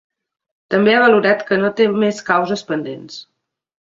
També ha valorat que no té més causes pendents.